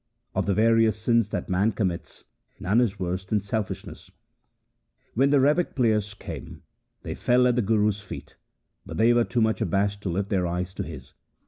Of the various sins that man commits none is worse than selfishness.' When the rebeck players came, they fell at the Guru's feet, but they were too much abashed to lift their eyes to his.